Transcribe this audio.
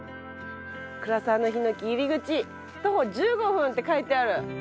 「倉沢のヒノキ入り口徒歩１５分」って書いてある。